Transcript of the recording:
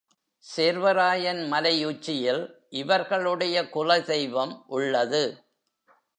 சேர்வராயன் மலை உச்சியில் இவர்களுடைய குல தெய்வம் உள்ளது.